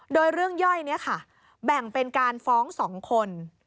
โดยเรื่องย่อยนี้ค่ะแบ่งเป็นการฟ้อง๒คน